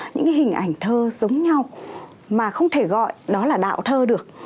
những hình ảnh thơ giống nhau mà không thể gọi đó là đạo thơ được